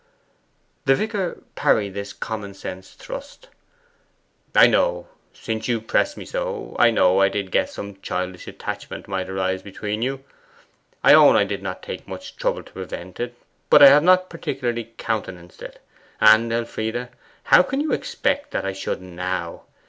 The vicar parried this common sense thrust. 'I know since you press me so I know I did guess some childish attachment might arise between you; I own I did not take much trouble to prevent it; but I have not particularly countenanced it; and, Elfride, how can you expect that I should now?